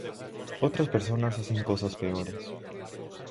Otras personas hacen cosas peores.